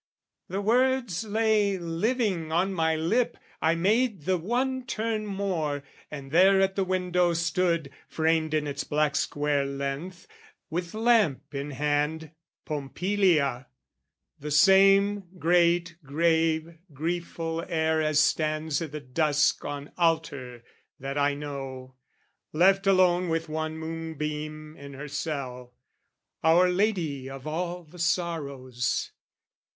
"' The words lay living on my lip, I made The one turn more and there at the window stood, Framed in its black square length, with lamp in hand, Pompilia; the same great, grave, griefful air As stands i' the dusk, on altar that I know, Left alone with one moonbeam in her cell, Our Lady of all the Sorrows.